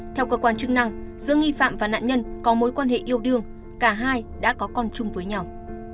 theo cơ quan chức năng giữa nghi phạm và nạn nhân có mối quan hệ yêu đương cả hai đã có con chung với nhau